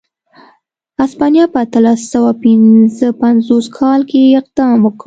هسپانیا په اتلس سوه پنځه پنځوس کال کې اقدام وکړ.